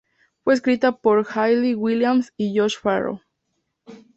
Fue escrita por Hayley Williams y Josh Farro.